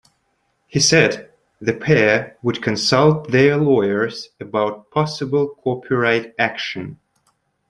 He said the pair would consult their lawyers "about possible copyright action".